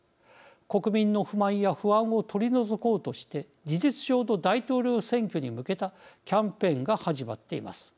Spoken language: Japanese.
国民の不満や不安を取り除こうとして事実上の大統領選挙に向けたキャンペーンが始まっています。